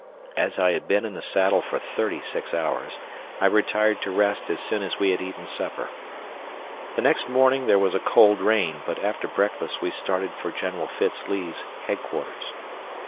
As I had been in the saddle for thirty six hours, I retired to rest as soon as we had eaten supper. The next morning there was a cold rain, but after breakfast we started for General Fitz Lee's headquarters.